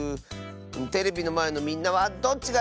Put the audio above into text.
テレビのまえのみんなはどっちがいい？